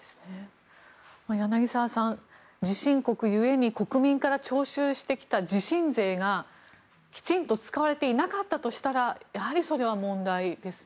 柳澤さん、地震国故に国民から徴収してきた地震税がきちんと使われていなかったとしたらやはりそれは問題ですね。